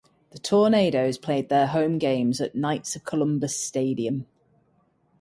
The Tornadoes played their home games at Knights of Columbus Stadium.